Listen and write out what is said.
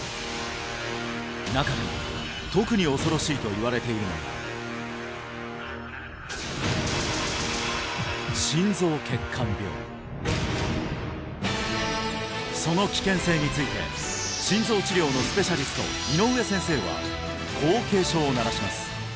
中でも特に恐ろしいといわれているのがその危険性について心臓治療のスペシャリスト井上先生はこう警鐘を鳴らします